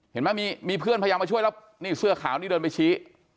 เห็นไหมมีเพื่อนพยายามมาช่วยแล้วนี่เสื้อขาวนี่เดินไปชี้